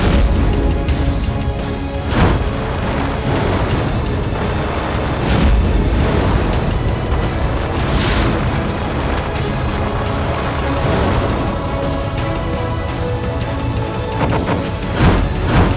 aku buat rumput